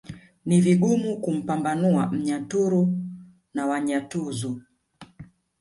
Ni vigumu kumpambanua Mnyaturu na Wanyatunzu